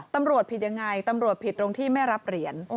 ตำรวจผิดยังไงตำรวจผิดตรงที่ไม่รับเหรียญ